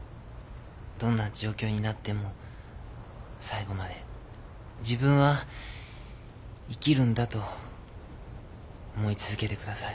どんな状況になっても最後まで自分は生きるんだと思い続けてください。